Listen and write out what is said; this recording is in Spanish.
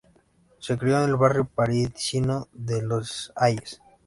Se crio en el barrio parisino de Les Halles.